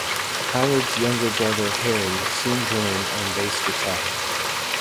Howard's younger brother, Harry, soon joined on bass guitar.